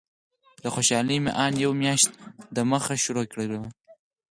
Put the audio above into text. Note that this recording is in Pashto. له خوشالۍ مې ان یوه میاشت دمخه شروع کړې وه.